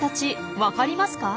分かりますか？